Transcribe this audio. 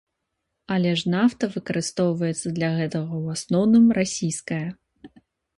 Але ж нафта выкарыстоўваецца для гэтага ў асноўным расійская.